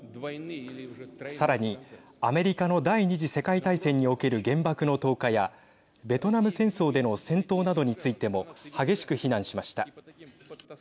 さらに、アメリカの第２次世界大戦における原爆の投下やベトナム戦争での戦闘などについても激しく非難しました。